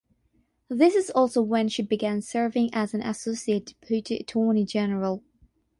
This is also when she began serving as an associate deputy attorney general.